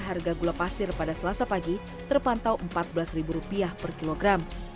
harga gula pasir pada selasa pagi terpantau empat belas ribu rupiah per kilogram